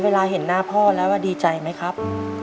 เห็นหน้าพ่อแล้วดีใจไหมครับ